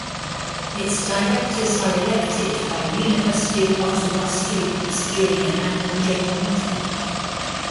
Its directors are elected by University of Ottawa students during an annual general meeting.